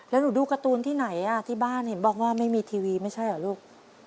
แล้วหนูดูการ์ตูนที่ไหนที่บ้านเห็นบอกว่าไม่มีทีวีไม่ใช่เหรอลูก